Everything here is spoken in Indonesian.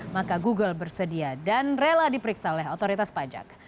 maka google bersedia dan rela diperiksa oleh otoritas pajak